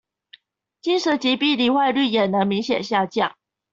精神疾病罹患率也能明顯下降